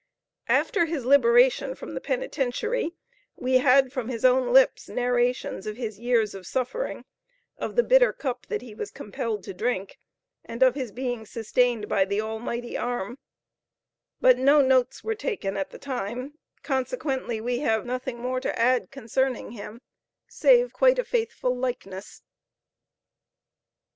After his liberation from the Penitentiary, we had from his own lips narrations of his years of suffering of the bitter cup, that he was compelled to drink, and of his being sustained by the Almighty Arm but no notes were taken at the time, consequently we have nothing more to add concerning him, save quite a faithful likeness.